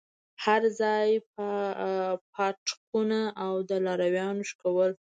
هرځاى پاټکونه او د لارويانو شکول.